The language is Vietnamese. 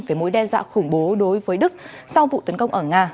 về mối đe dọa khủng bố đối với đức sau vụ tấn công ở nga